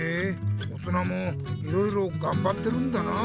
大人もいろいろがんばってるんだなあ。